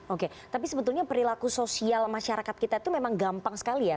oke tapi sebetulnya perilaku sosial masyarakat kita itu memang gampang sekali ya